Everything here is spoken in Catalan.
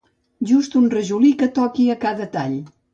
Just un rajolí que toqui a cada tall.